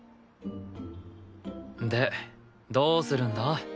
でどうするんだ？